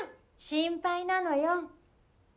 心配なのよ